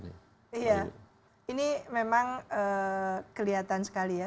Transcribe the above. iya ini memang kelihatan sekali ya